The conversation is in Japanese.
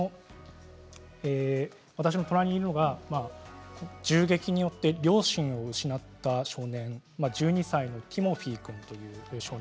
私の隣にいるのが銃撃によって両親を失った少年１２歳のティモフィ君。